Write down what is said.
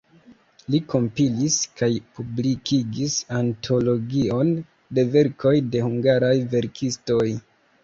Li kompilis kaj publikigis antologion de verkoj de hungaraj verkistoj.